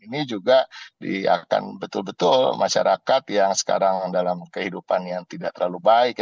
ini juga akan betul betul masyarakat yang sekarang dalam kehidupan yang tidak terlalu baik